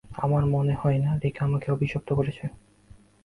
আমার মনে হয় না রিকা আমাকে অভিশপ্ত করেছে।